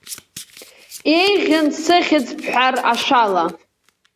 Иеиӷьын сыхьыӡ бҳәар ашәала.